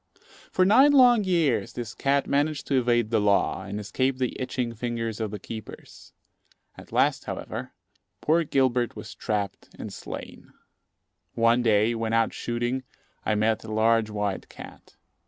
For nine long years this cat managed to evade the law, and escape the itching fingers of the keepers. At last, however, poor Gilbert was trapped and slain. One day, when out shooting, I met a large white cat.